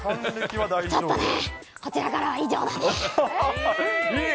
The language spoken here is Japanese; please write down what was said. ちょっとね、こちらからは以上だねぇ。